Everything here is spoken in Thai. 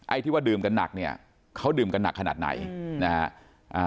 ที่ว่าดื่มกันหนักเนี่ยเขาดื่มกันหนักขนาดไหนอืมนะฮะ